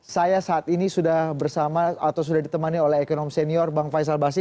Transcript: saya saat ini sudah bersama atau sudah ditemani oleh ekonom senior bang faisal basi